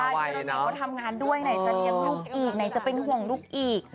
อันนี้เขาทำงานด้วยไหนจะเนียมลูกอีกไหนจะเป็นห่วงลูกอีก